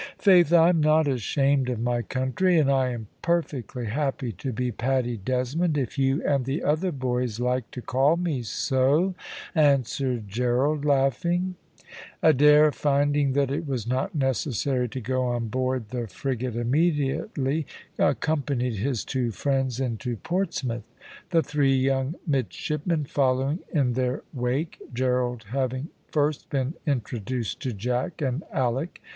"Faith, I'm not ashamed of my country, and I am perfectly happy to be Paddy Desmond if you and the other boys like to call me so," answered Gerald, laughing. Adair finding that it was not necessary to go on board the frigate immediately, accompanied his two friends into Portsmouth, the three young midshipmen following in their wake, Gerald having first been introduced to Jack and Alick.